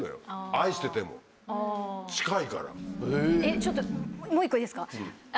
えっちょっともう１個いいですか？